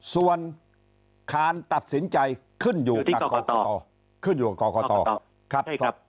ส่วนคารตัดสินใจขึ้นอยู่ข้อต่อขึ้นอยู่กับกรครับ